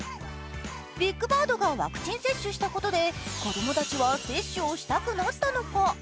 ビッグバードがワクチン接種したことで子供たちは接種をしたくなったのか？